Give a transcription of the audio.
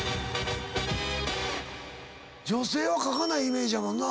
⁉女性はかかないイメージやもんな。